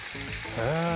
へえ。